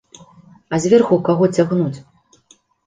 А зверху каго цягнуць?